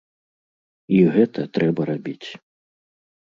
І гэта трэба рабіць.